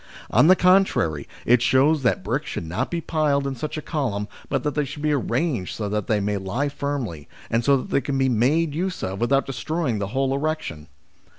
On the contrary, it shows that bricks should not be piled in such a column, but that they should be arranged so that they may lie firmly, and so that they can be made use of without destroying the whole erection.